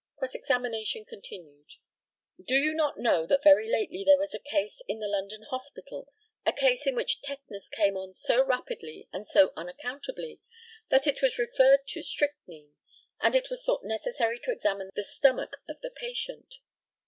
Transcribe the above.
Cross examination continued: Do you not know that very lately there was a case in the London Hospital, a case in which tetanus came on so rapidly and so unaccountably, that it was referred to strychnine, and it was thought necessary to examine the stomach of the patient?